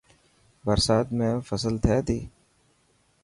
برسات ۾ فصل ٿي تي.